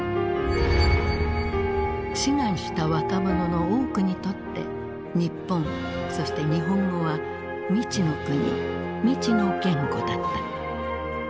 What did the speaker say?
志願した若者の多くにとって日本そして日本語は未知の国未知の言語だった。